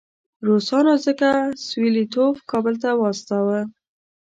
روسانو ځکه ستولیتوف کابل ته واستاوه.